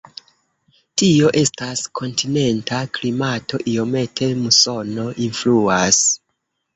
Tio estas kontinenta klimato, iomete musono influas.